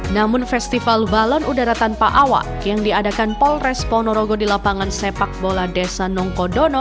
namun festival balon udara tanpa awak yang diadakan polres ponorogo di lapangan sepak bola desa nongkodono